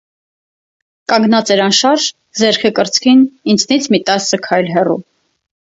Կանգնած էր անշարժ, ձեռքը կրծքին, ինձնից մի տասը քայլ հեռու: